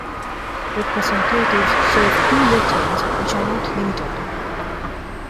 Representatives serve two-year terms which are not limited.